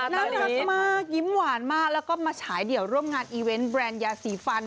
น่ารักมากยิ้มหวานมากแล้วก็มาฉายเดี่ยวร่วมงานอีเวนต์แบรนด์ยาสีฟัน